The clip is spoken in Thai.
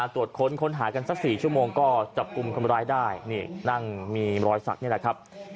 ตรวจค้นค้นหากันสัก๔ชั่วโมงก็จับกลุ่มคนร้ายได้นี่นั่งมีรอยสักนี่แหละครับ